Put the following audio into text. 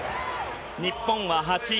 日本は８位。